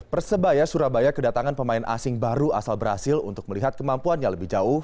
persebaya surabaya kedatangan pemain asing baru asal brazil untuk melihat kemampuannya lebih jauh